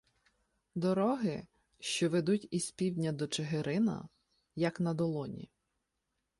Дороги, що ведуть із півдня до Чигирина, — як на долоні.